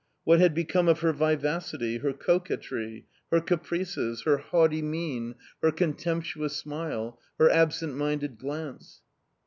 What had become of her vivacity, her coquetry, her caprices, her haughty mien, her contemptuous smile, her absentminded glance?...